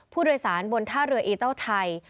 ผู้โดยสารบนท่าเรืออีโต้ไทย